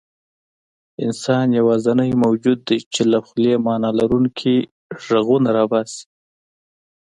انسان یواځینی موجود دی، چې له خولې معنیلرونکي غږونه راباسي.